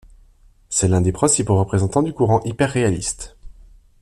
C'est l'un des principaux représentants du courant hyperréaliste.